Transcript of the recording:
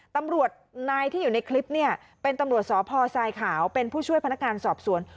ตำรวจนายที่อยู่ในคลิปเนี่ยเป็นตำรวจสพทรายขาวเป็นผู้ช่วยพนักงานสอบสวน